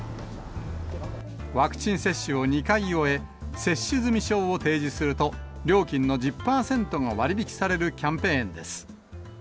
ワクチン接種を２回終え、接種済証を提示すると、料金の１０％が割引されるキャンペーン